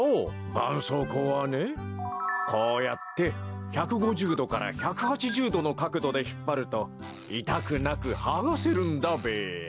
ばんそうこうはねこうやって１５０どから１８０どのかくどでひっぱるといたくなくはがせるんだべや。